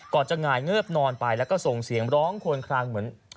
ก่อนจะง่ายเงือบนอนไปแล้วก็ส่งเสียงร้องโคนครังเหมือน